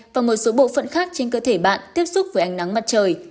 và một số bộ phận khác trên cơ thể bạn tiếp xúc với ánh nắng mặt trời